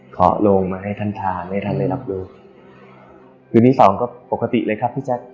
ขอโรงมาให้ท่านทานให้ท่านได้รับรู้คืนที่สองก็ปกติเลยครับพี่แจ๊ค